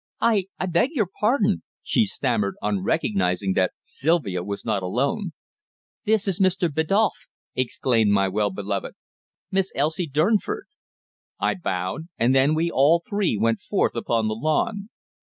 "I I beg your pardon!" she stammered, on recognizing that Sylvia was not alone. "This is Mr. Biddulph," exclaimed my well beloved. "Miss Elsie Durnford." I bowed, and then we all three went forth upon the lawn.